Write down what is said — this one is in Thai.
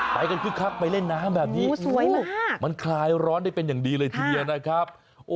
ไปกันคึกคักไปเล่นน้ำแบบนี้มันคลายร้อนได้เป็นอย่างดีเลยทีเดียวนะครับ